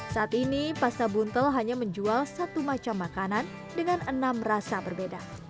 saat ini pasta buntel hanya menjual satu macam makanan dengan enam rasa berbeda